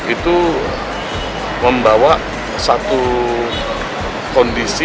itu membawa satu kondisi